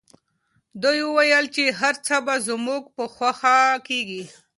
دوی وویل چي هر څه به زموږ په خوښه کیږي.